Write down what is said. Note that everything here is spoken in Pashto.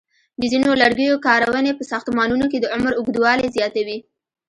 د ځینو لرګیو کارونې په ساختمانونو کې د عمر اوږدوالی زیاتوي.